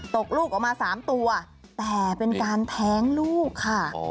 ตกลูกออกมา๓ตัวแต่เป็นการแท้งลูกค่ะ